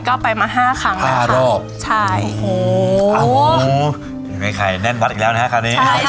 ก็ไปมาห้าครั้งแล้วห้ารอบใช่โอ้โหอันนี้ก็เป็นความเชื่อนะคะ